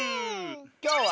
きょうは。